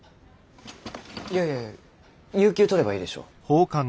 いやいやいや有給取ればいいでしょう。